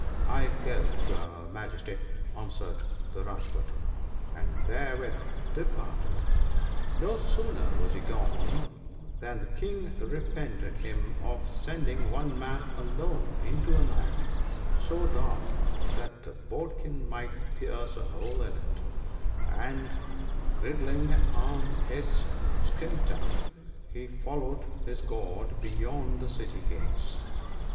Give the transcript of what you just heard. ' I go, your Majesty,' answered the Rajpoot, and there with departed. " No sooner was he gone than the King repented him of sending one man alone into a night so dark that a bodkin might pierce a hole in it, and girding on his scimitar, he followed his guard beyond the city gates.